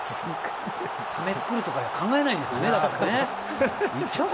タメを作るとか考えないんですね。